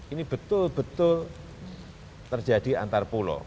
ini betul betul terjadi antar pulau